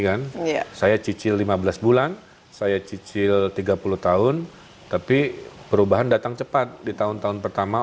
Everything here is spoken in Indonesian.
kan saya cicil lima belas bulan saya cicil tiga puluh tahun tapi perubahan datang cepat di tahun tahun pertama